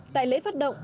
tại lễ phát động